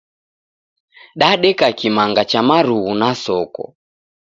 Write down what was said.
Dadeka kimanga cha marughu na soko.